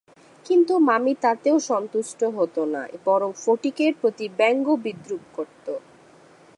কিন্তু মামি তাতেও সন্তুষ্ট হতো না, বরং ফটিকের প্রতি ব্যঙ্গ-বিদ্রূপ করত।